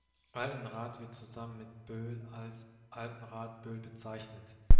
Altenrath wird zusammen mit Böhl als "Altenrath-Böhl" bezeichnet.